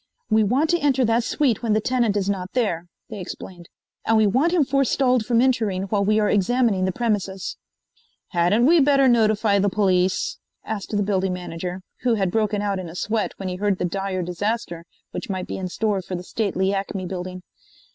"We want to enter that suite when the tenant is not there," they explained, "and we want him forestalled from entering while we are examining the premises." "Hadn't we better notify the police?" asked the building manager, who had broken out in a sweat when he heard the dire disaster which might be in store for the stately Acme building.